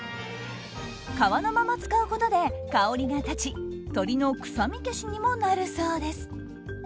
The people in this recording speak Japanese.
皮のまま使うことで香りが立ち鶏の臭み消しにもなるそうです。